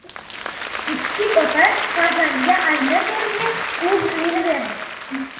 Nukuslik ota farzandiga aliment o‘rniga o‘z uyini berdi